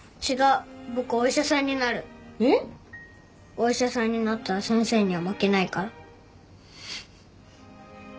お医者さんになったら先生には負けないから。